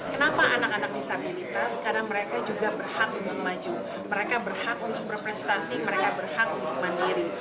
kenapa anak anak disabilitas karena mereka juga berhak untuk maju mereka berhak untuk berprestasi mereka berhak untuk mandiri